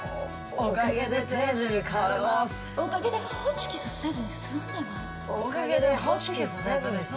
おかげでホチキスせずに済んでます。